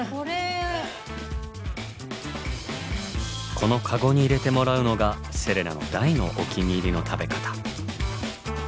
このカゴに入れてもらうのがセレナの大のお気に入りの食べ方。